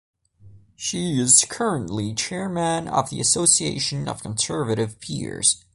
She is currently Chairman of the Association of Conservative Peers.